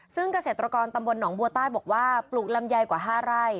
ซึ่งเกษตรกรตำบลหนองบัวใต้บอกว่าปลูกลำไยกว่า๕ไร่